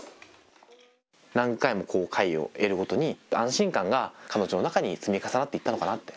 何回も回を経るごとに安心感が彼女の中に積み重なっていったのかなって。